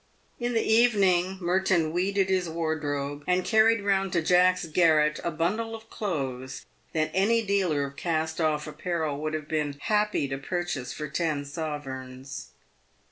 In the evening, Merton weeded his wardrobe, and carried round to Jack's garret a bundle of clothes that any dealer of cast off apparel would have been happy to purchase for ten sovereigns.